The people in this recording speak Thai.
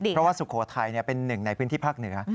เพราะว่าสุโขทัยเป็นหนึ่งในพื้นที่ภาคเหนือ